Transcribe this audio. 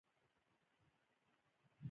موږ لا هم په پښتو کې املايي ستونزې لرو